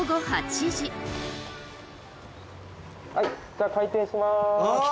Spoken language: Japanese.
はいじゃあ開店します。